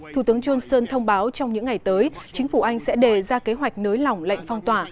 thủ tướng johnson thông báo trong những ngày tới chính phủ anh sẽ đề ra kế hoạch nới lỏng lệnh phong tỏa